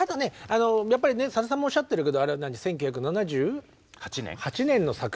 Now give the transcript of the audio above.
やっぱりさださんもおっしゃってるけどあれは１９７８年の作品だ。